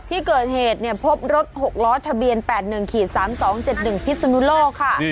ที่เกิดเหตุเนี่ยพบรถ๖ล้อทะเบียน๘๑๓๒๗๑พิศนุโลกค่ะ